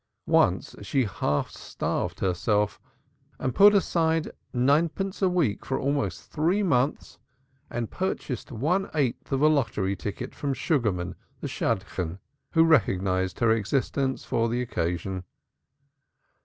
Once she half starved herself and put aside ninepence a week for almost three months and purchased one eighth of a lottery ticket from Sugarman the Shadchan, who recognized her existence for the occasion.